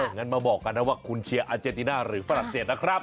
งั้นมาบอกกันนะว่าคุณเชียร์อาเจนติน่าหรือฝรั่งเศสนะครับ